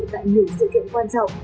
tại nhiều sự kiện quan trọng